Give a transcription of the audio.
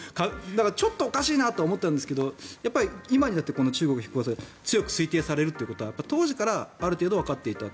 ちょっとおかしいなと思ったんですが今になって中国の飛行物体だと強く推定されると当時から、ある程度はわかっていたと。